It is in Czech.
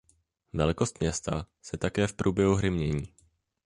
Velikost města se také v průběhu hry mění.